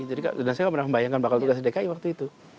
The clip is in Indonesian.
dan saya tidak pernah membayangkan bakal bertugas di dki waktu itu